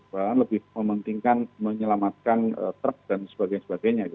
bahkan lebih mementingkan menyelamatkan truk dan sebagainya